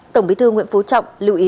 tổng bí thư nguyễn phú trọng lưu ý